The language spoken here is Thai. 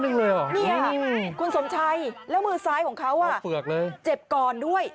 นี่คุณสมชัยแล้วมือสาวของเขาบริการเจ็บก่อนด้วย